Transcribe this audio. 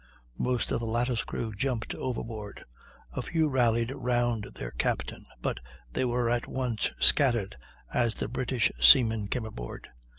Most of the latter's crew jumped overboard; a few rallied round their captain, but they were at once scattered as the British seamen came aboard.